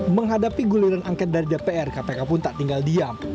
menghadapi guliran angket dari dpr kpk pun tak tinggal diam